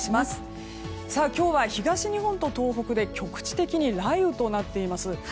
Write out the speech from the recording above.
今日は東日本と東北で局地的に雷雨となっています。